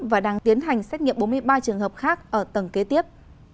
và đang tiến hành xét nghiệm bốn mươi ba trường hợp khác ở tầng kế tiếp